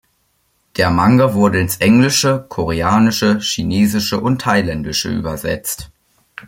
Der Manga wurde ins Englische, Koreanische, Chinesische und Thailändische übersetzt.